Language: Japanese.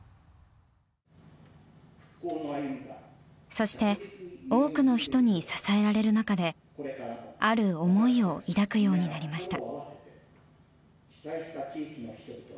そして多くの人に支えられる中である思いを抱くようになりました。